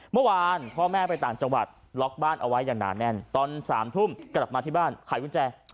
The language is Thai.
พ่อแม่ไปต่างจังหวัดล็อกบ้านเอาไว้อย่างหนาแน่นตอน๓ทุ่มกลับมาที่บ้านไขกุญแจ